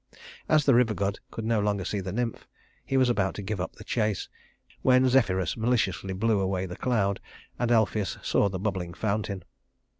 As the river god could no longer see the nymph, he was about to give up the chase, when Zephyrus maliciously blew away the cloud, and Alpheus saw the bubbling fountain.